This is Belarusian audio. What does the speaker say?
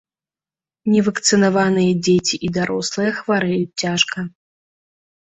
Невакцынаваныя дзеці і дарослыя хварэюць цяжка.